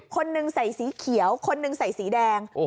คนนึงใส่สีเขียวคนหนึ่งใส่สีแดง